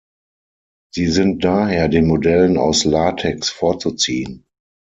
Sie sind daher den Modellen aus Latex vorzuziehen.